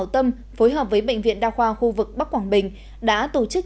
tâm phối hợp với bệnh viện đa khoa khu vực bắc quảng bình đã tổ chức